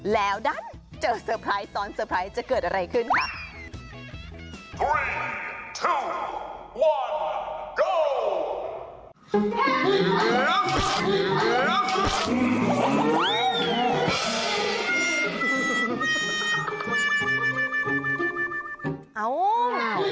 แล้วดันเจอเซอร์ไพรส์ซ้อนเตอร์ไพรส์จะเกิดอะไรขึ้นค่ะ